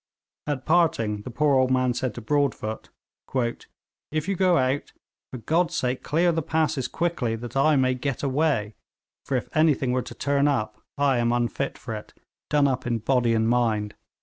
At parting the poor old man said to Broadfoot: 'If you go out, for God's sake clear the passes quickly, that I may get away; for if anything were to turn up, I am unfit for it, done up in body and mind.'